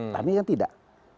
tapi yang tidak